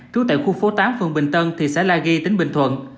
trú tại khu phố tám phường bình tân thị xã la ghi tỉnh bình thuận